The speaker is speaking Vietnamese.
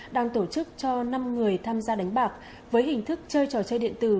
đang tổ chức cho năm người tham gia đánh bạc với hình thức chơi trò chơi điện tử